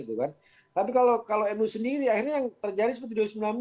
tapi kalau nu sendiri akhirnya yang terjadi seperti dua ribu sembilan belas